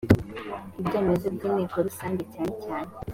ibyemezo by inteko rusange cyane cyane